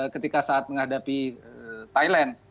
ketika saat menghadapi thailand